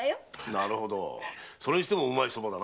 なるほどそれにしてもうまい蕎麦だな。